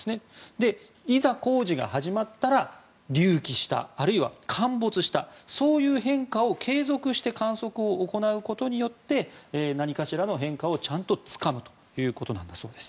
いざ工事が始まったら隆起した、あるいは陥没したそういう変化を継続して観測を行うことによって何かしらの変化をちゃんとつかむということだそうです。